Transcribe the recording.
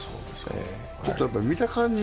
ちょっと見た感じ